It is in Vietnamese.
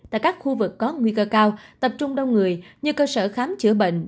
tại các khu vực có nguy cơ cao tập trung đông người như cơ sở khám chữa bệnh